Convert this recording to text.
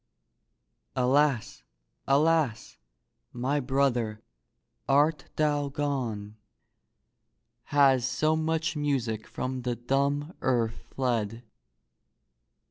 Alas ! alas ! my brother, art thou gone ? Has so much music from the dumb earth fled?